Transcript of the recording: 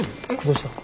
どうした？